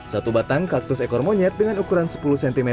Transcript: satu batang kaktus ekor monyet dengan ukuran sepuluh cm